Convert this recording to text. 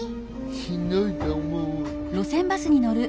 しんどいと思うわ。